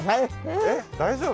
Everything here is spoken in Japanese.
えっ大丈夫？